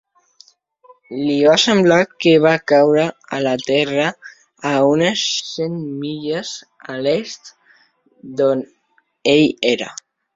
Li va semblar que va caure a la Terra a unes cent milles a l'est d'on ell era.